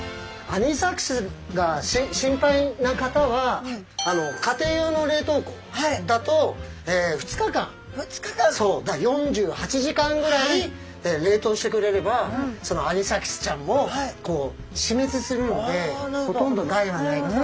アニサキスが心配な方は家庭用の冷凍庫だと２日間４８時間ぐらい冷凍してくれればそのアニサキスちゃんもこう死滅するのでほとんど害はないと。